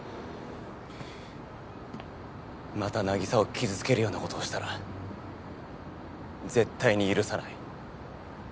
また凪沙を傷つけるようなことをしたら絶対に許さない。